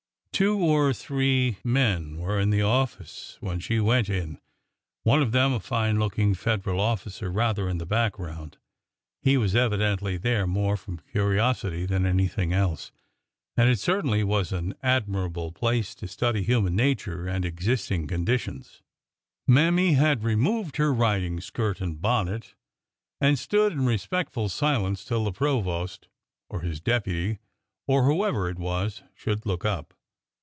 Two or three men were in the office when she went in, — one of them a fine looking Federal officer rather in the background. He was evidently there more from curiosity 21 322 ORDER NO. 11 than anything else, and it certainly was an admirable place to study human nature and existing conditions. Mammy had removed her riding skirt and bonnet, and stood in respectful silence till the provost or his deputy or whoever it was should look up.